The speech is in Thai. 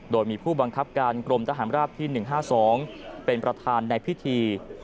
โดยมีผู้บังคับการกรมทหารราบที่๑๕๒เป็นประธานในพิธี